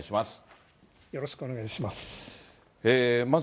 よろしくお願いします。